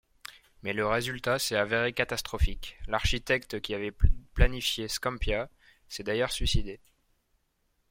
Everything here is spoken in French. Mais le résultat s’est avéré catastrophique, l’architecte qui avait planifié Scampia s’est d’ailleurs suicidé.